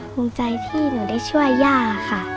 ภูมิใจที่หนูได้ช่วยย่าค่ะ